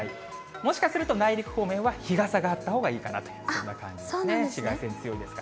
もしかすると、内陸方面は日傘があったほうがいいかなという、そんなかんじげああいってそんな感じですね。